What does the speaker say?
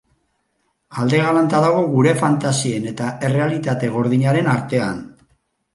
Alde galanta dago gure fantasien eta errealitate gordinaren artean.